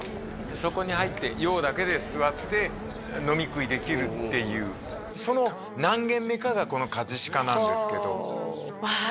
そこに入って「よう」だけで座って飲み食いできるっていうその何軒目かがこのかじしかなんですけどわあ